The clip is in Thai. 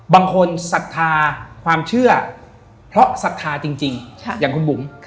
ศรัทธาความเชื่อเพราะศรัทธาจริงอย่างคุณบุ๋ม